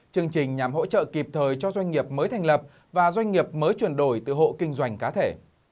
chương trình nhằm hỗ trợ kịp thời cho doanh nghiệp mới thành lập và doanh nghiệp mới chuyển đổi từ hộ kinh doanh cá thể